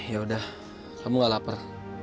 yaudah kamu nggak lapar